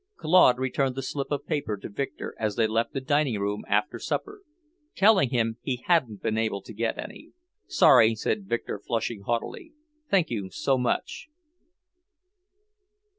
Claude returned the slip of paper to Victor as they left the dining room after supper, telling him he hadn't been able to get any. "Sorry," said Victor, flushing haughtily. "Thank you so much!"